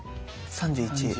３１。